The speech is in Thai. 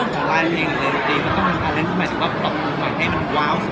ก็หาเรื่องของรายละเอียนเอายังไง